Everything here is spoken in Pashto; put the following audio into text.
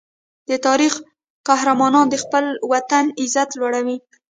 د تاریخ قهرمانان د خپل وطن عزت لوړوي.